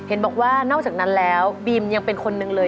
เห็นบอกว่านอกจากนั้นแล้วบีมยังเป็นคนหนึ่งเลย